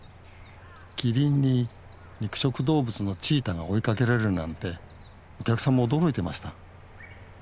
キリンに肉食動物のチーターが追いかけられるなんてお客さんも驚いてました。